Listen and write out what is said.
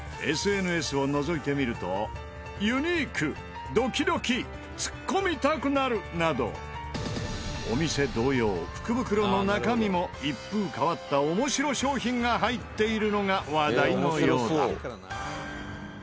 ＳＮＳをのぞいてみるとユニークドキドキツッコみたくなるなどお店同様福袋の中身も一風変わったオモシロ商品が入っているのが話題のようだ。